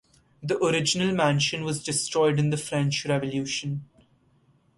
The original mansion was destroyed in the French Revolution.